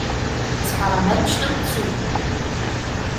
Das Parlament stimmt zu.